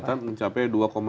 ternyata mencapai dua lima